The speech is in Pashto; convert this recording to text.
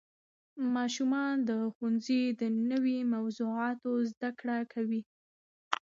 ماشومان د ښوونځي د نوې موضوعاتو زده کړه کوي